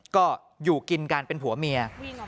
ก็อยู่กินกันเป็นผัวเมีย